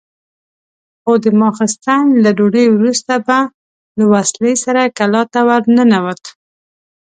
خو د ماخستن له ډوډۍ وروسته به له وسلې سره کلا ته ورننوت.